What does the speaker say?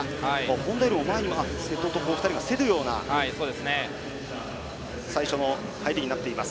本多よりも前に瀬戸と２人が競るような最初に入りになっています。